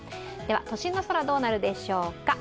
都心の空どうなるでしょうか。